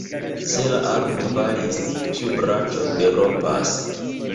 Se la arbo falis, ĉiu branĉon derompas.